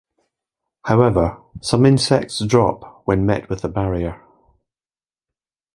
However, some insects drop when met with a barrier.